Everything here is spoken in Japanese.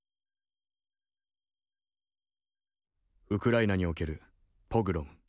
ウクライナにおけるポグロム。